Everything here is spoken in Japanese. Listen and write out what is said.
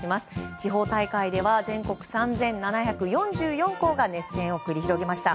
地方大会では全国３７４４校が熱戦を繰り広げました。